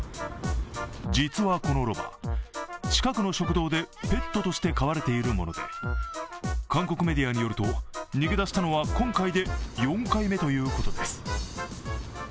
実はこのロバ、近くの食堂でペットとして飼われているもので韓国メディアによると、逃げ出したのは今回で４回目ということです。